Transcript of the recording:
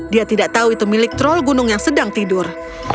dia tidak tahu itu milik troll gunung yang sedang tidur